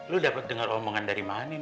lo dapet denger omongan dari mana nih